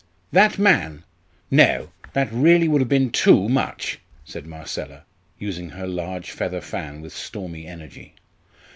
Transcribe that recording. "That man! no, that would really have been too much!" said Marcella, using her large feather fan with stormy energy.